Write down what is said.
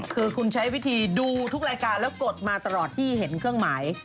คือคุณใช้วิธีดูทุกรายการแล้วกดมาตลอดที่เห็นเครื่องหมาย